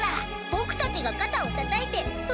ボクたちが肩をたたいてそのつかれを。